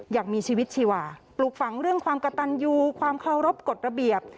อย่างมีชีวิตชีวาปลูกฝังเรื่องความกระตันยูความเคารพกฎระเบียบ